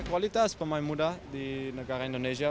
kualitas pemain muda di negara indonesia